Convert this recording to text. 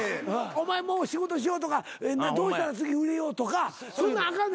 お前もう仕事しようとかどうしたら次売れようとかそんなんあかんねんな。